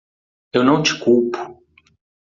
Eu não te culpo.